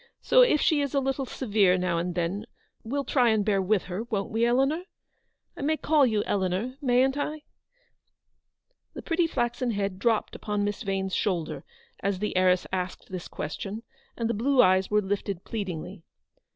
So, if she is a little severe, now and then, we'll try and bear with her, won't we, Eleanor ? I may call you Eleanor, mayn't I ?" The pretty flaxen head dropped upon Miss Vane's shoulder, as the heiress asked this ques tion, and the blue eyes were lifted pleadingly.